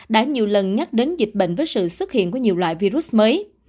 đã nhiều lần nhắc đến dịch bệnh với sự xuất hiện của nhiều loại virus mới